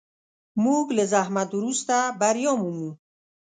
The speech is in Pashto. موږ له زحمت وروسته بریا مومو.